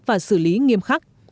và xử lý nghiêm khắc